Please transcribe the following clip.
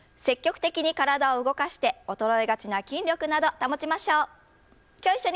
積極的に体を動かして衰えがちな筋力など保ちましょう。